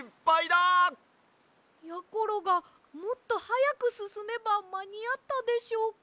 やころがもっとはやくすすめばまにあったでしょうか？